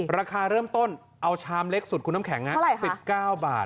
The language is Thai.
ราคาเริ่มต้นเอาชามเล็กสุดคุณน้ำแข็ง๑๙บาท